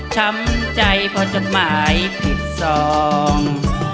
ช้ำใจพอจดหมายผิดสอง